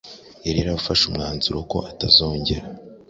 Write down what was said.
yari yarafashe umwanzuro ko atazongera